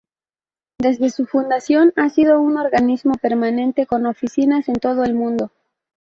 Desde su fundación, ha sido un organismo permanente con oficinas en todo el mundo.